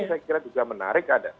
saya kira juga menarik ada